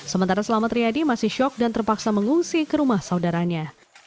sementara selamat riyadi masih syok dan terpaksa mengungsi ke rumah saudaranya